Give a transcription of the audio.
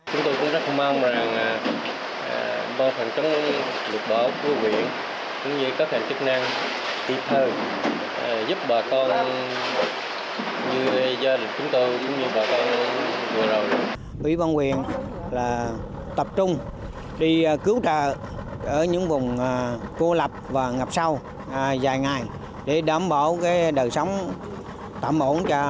chúng tôi cũng rất mong rằng bộ phòng chống lực bảo của huyện cũng như các hành chức năng tiêu thơ